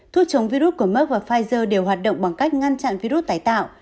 thuốc chống virus của mek và pfizer đều hoạt động bằng cách ngăn chặn virus tái tạo